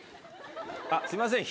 あっすいません